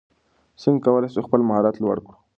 څنګه کولای سو خپل مهارت لوړ کړو؟